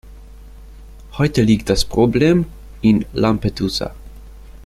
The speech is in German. Heute liegt das Problem in Lampedusa.